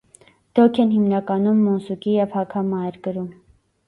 Դոքհեն հիմնականում մոնսուկի և հաքամա էր կրում։